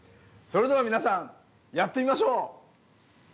それでは皆さんやってみましょう！